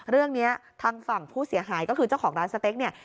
เรื่องนี้ทางฝั่งผู้เสียหายก็คือเจ้าของร้านสเต็กเนี่ย